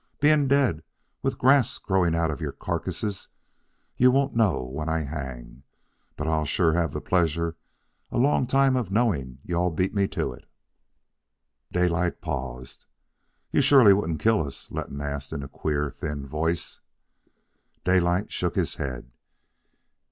Being dead, with grass growing out of your carcasses, you won't know when I hang, but I'll sure have the pleasure a long time of knowing you all beat me to it." Daylight paused. "You surely wouldn't kill us?" Letton asked in a queer, thin voice. Daylight shook his head.